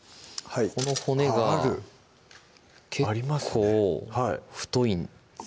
この骨があっある結構太いんです